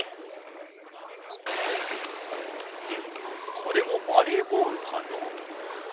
これもバレーボールかの？